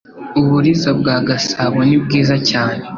u Buliza bwa Gasabo nibwiza cyane“